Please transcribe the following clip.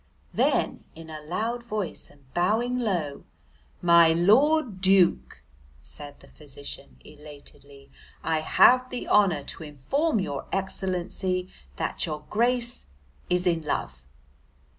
Then in a loud voice, and bowing low, "My Lord Duke," said the physician elatedly, "I have the honour to inform your excellency that your grace is in love."